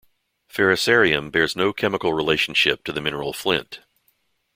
Ferrocerium bears no chemical relationship to the mineral flint.